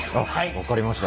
分かりました。